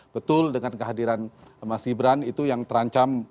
betul dengan kehadiran mas gibran itu yang terancam